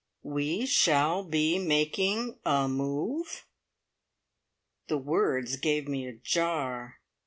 "We shall be making a move." The words gave me a jar.